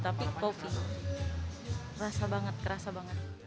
tapi kopi kerasa banget kerasa banget